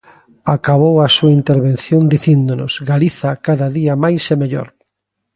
Acabou a súa intervención dicíndonos: Galiza, cada día máis e mellor.